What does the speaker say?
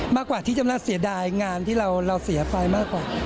มากกว่าที่จะเสียดายงานที่เราเสียไปมากกว่า